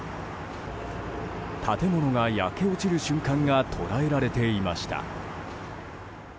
建物が焼け落ちる瞬間が捉えられていました。